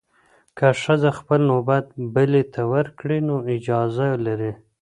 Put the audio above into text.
که ښځه خپل نوبت بلې ته ورکړي، نو اجازه لري.